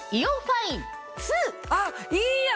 あっいいやん